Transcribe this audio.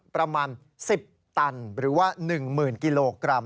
ประมาณ๑๐ตันหรือว่า๑๐๐๐กิโลกรัม